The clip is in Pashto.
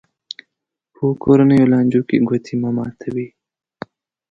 په کورنیو لانجو کې ګوتې مه ماتوي.